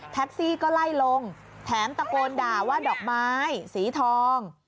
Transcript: แท็กซี่ก็ไล่ลงแถมตะโกนด่าว่าดอกไม้สีทอง